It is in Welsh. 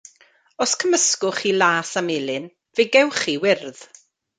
Os cymysgwch chi las a melyn fe gewch chi wyrdd.